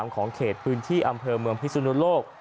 ของเขตพื้นที่อำเภอเมืองพิสุนุโลก